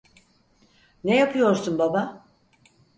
Ne yapıyorsun baba?